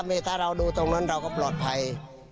ถ้าเราดูตรงนั้นเราก็ปลอดภัย